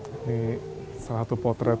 ini salah satu potret